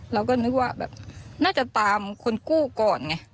เราก็นึกว่าแบบน่าจะตามคนกู้ก่อนไง